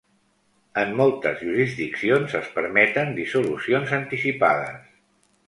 En moltes jurisdiccions es permeten dissolucions anticipades.